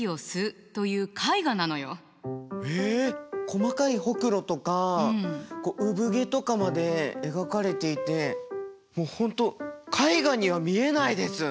細かいホクロとか産毛とかまで描かれていてもう本当絵画には見えないです！